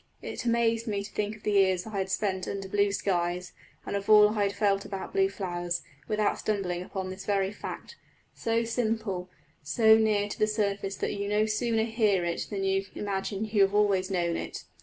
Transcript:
It amazed me to think of the years I had spent under blue skies and of all I had felt about blue flowers, without stumbling upon this very simple fact. So simple, so near to the surface that you no sooner hear it than you imagine you have always known it!